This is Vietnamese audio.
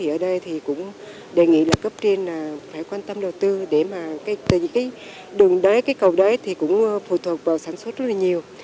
ở đây thì cũng đề nghị là cấp trên là phải quan tâm đầu tư để mà những cái đường đấy cái cầu đấy thì cũng phụ thuộc vào sản xuất rất là nhiều